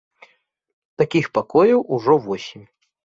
Такіх пакояў ужо восем.